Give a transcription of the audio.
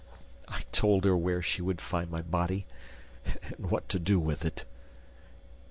... I told her where she would find my body and what to do with it...